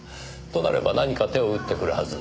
となれば何か手を打ってくるはず。